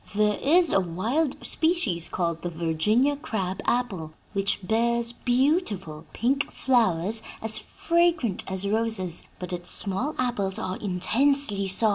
There is a wild species called the Virginia crab apple, which bears beautiful pink flowers as fragrant as roses, but its small apples are intensely sour.